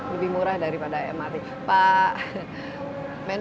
lebih murah daripada mrt